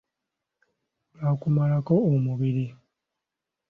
Bukumalako omubiri.